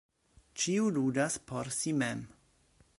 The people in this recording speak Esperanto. Ĉiu ludas por si mem.